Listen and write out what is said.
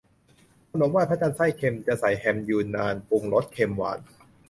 ขนมไหว้พระจันทร์ไส้เค็ม จะใส่แฮมยูนนาน ปรุงรสเค็มหวาน